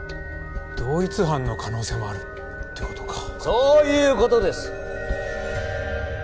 同一犯の可能性もあるってことかそういうことです